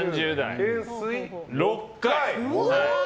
懸垂、６回。